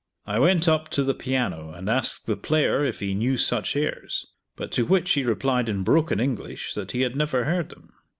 I went up to the piano, and asked the player if he knew such airs; but to which he replied in broken English that he had never heard them.